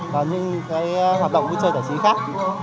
và những cái hoạt động vui chơi tổ chí khác